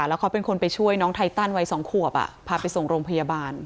แล้วเขาเป็นคนไปช่วยน้องไทตันวัย๒ขวบพาไปส่งโรงพยาบาล